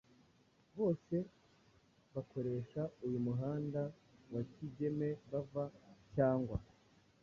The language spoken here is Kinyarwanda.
bose bakoresha uyu muhanda wa Kigeme bava cyangwa